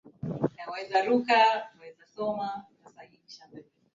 jina la mlima huu limetokana na kabila maarufu nchini Tanzania la Wameru